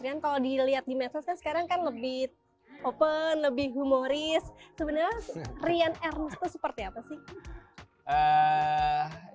rian kalau dilihat di medsos sekarang kan lebih open lebih humoris sebenarnya rian ernst tuh seperti apa sih